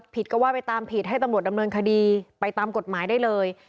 ก็ว่าไปตามผิดให้ตำรวจดำเนินคดีไปตามกฎหมายได้เลย